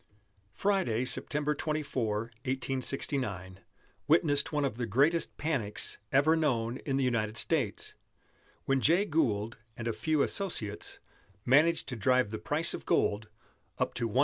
Friday, September 24, 1869, witnessed one of the greatest panics ever known in the United States, when Jay Gould and a few associates managed to drive the price of gold up to 162 1/2.